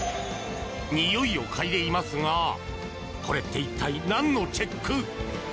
においをかいでいますがこれって一体何のチェック？